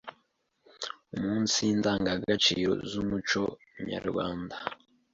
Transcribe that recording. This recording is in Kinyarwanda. umunsi ndangagaciro z’umuco nyarwanda,